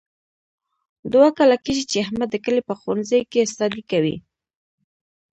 دوه کاله کېږي، چې احمد د کلي په ښوونځۍ کې استادي کوي.